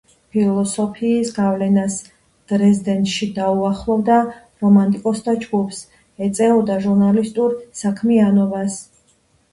სწავლის პერიოდში განიცდიდა იმანუელ კანტის ფილოსოფიის გავლენას, დრეზდენში დაუახლოვდა რომანტიკოსთა ჯგუფს; ეწეოდა ჟურნალისტურ საქმიანობას.